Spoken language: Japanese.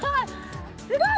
すごい！